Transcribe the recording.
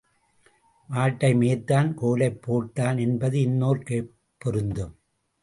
மாட்டை மேய்த்தான், கோலைப் போட்டான் என்பது இன்னோர்க்கேப் பொருந்தும்.